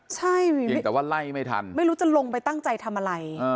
ใช่เพียงแต่ว่าไล่ไม่ทันไม่รู้จะลงไปตั้งใจทำอะไร